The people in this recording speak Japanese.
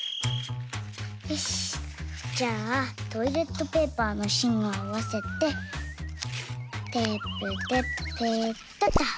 よしじゃあトイレットペーパーのしんをあわせてテープでペタッと。